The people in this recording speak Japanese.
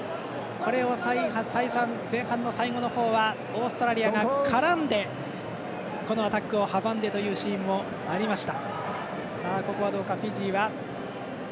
これを再三、前半の最後の方はオーストラリアが絡んでこのアタックを阻んでというシーンもありました。